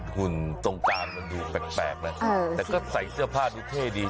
หุ่นตรงกลางมันดูแปลกนะแต่ก็ใส่เสื้อผ้าดูเท่ดี